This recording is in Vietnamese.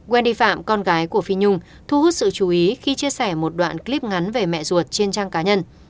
endy phạm con gái của phi nhung thu hút sự chú ý khi chia sẻ một đoạn clip ngắn về mẹ ruột trên trang cá nhân